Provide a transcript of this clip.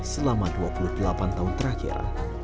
selama dua puluh delapan tahun terakhir